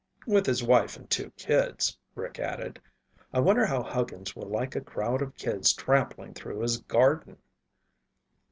"With his wife and two kids," Rick added. "I wonder how Huggins will like a crowd of kids trampling through his garden!"